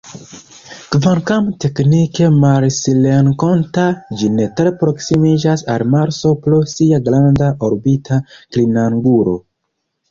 Kvankam teknike marsrenkonta, ĝi ne tre proksimiĝas al Marso pro sia granda orbita klinangulo.